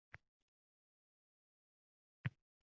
Yuholardek nafsimga men ham bandiman.